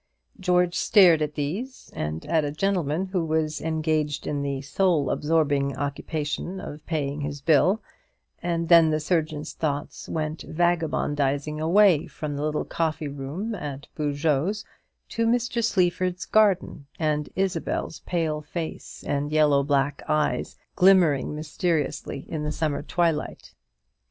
George stared at these, and at a gentleman who was engaged in the soul absorbing occupation of paying his bill; and then the surgeon's thoughts went vagabondizing away from the little coffee room at Boujeot's to Mr. Sleaford's garden, and Isabel's pale face and yellow black eyes, glimmering mysteriously in the summer twilight.